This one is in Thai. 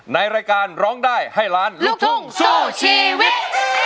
ในรายการร้องได้ให้ล้านลูกทุ่งสู้ชีวิต